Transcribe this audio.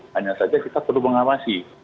hanya saja kita perlu mengawasi